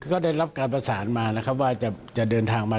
ก็ได้รับการประสานมานะครับว่าจะเดินทางมา